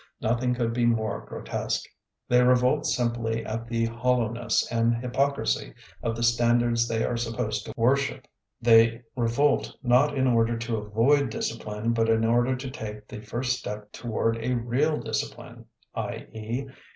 Nothing could be more grotesque. They revolt simply at the hoUowness and hypocrisy of the standards they are supposed to wor ship. They revolt not in order to avoid discipline, but in order to take the first step toward a real discipline, i. e.